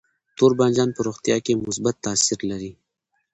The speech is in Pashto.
تور بانجان په روغتیا کې مثبت تاثیر لري.